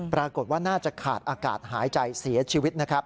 ปรากฏว่าน่าจะขาดอากาศหายใจเสียชีวิตนะครับ